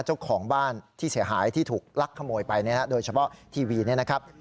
เจ้าของบ้านที่เสียหายที่ถูกลักขโมยไปโดยเฉพาะทีวีเนี่ยนะครับ